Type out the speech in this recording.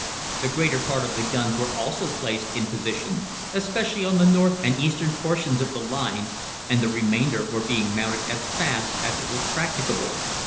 The greater part of the guns were also placed in position, especially on the north and eastern portions of the lines, and the remainder were being mounted as fast as it was practicable.